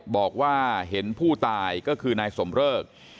บอกว่าเห็นผู้ตายก็คือนายสมเริก